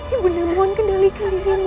ibu nek mohon kendalikan dirimu